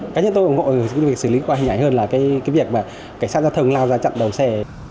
cá nhân tôi ủng hộ về việc xử lý qua hình ảnh hơn là việc xe giao thông lao ra chặn đầu xe